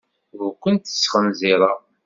Ur kent-sxenzireɣ.